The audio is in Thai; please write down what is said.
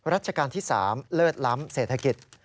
ราชการที่๓เลิศล้ำเศรษฐกิจ